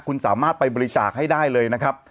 คุณสามารถไปบริจาคให้ได้เลยนะครับ